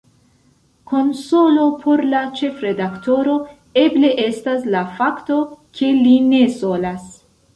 Konsolo por la ĉefredaktoro eble estas la fakto, ke li ne solas.